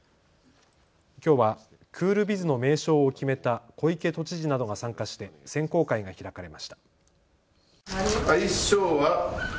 きょうはクールビズの名称を決めた小池都知事などが参加して選考会が開かれました。